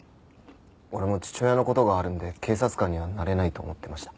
俺も父親の事があるんで警察官にはなれないと思ってました。